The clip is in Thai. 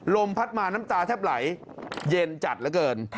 ลมพัดมาน้ำตาแทบไหลเย็นจัดเหลือเกิน